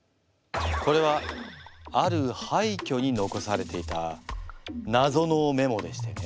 これはあるはいきょに残されていたなぞのメモでしてね。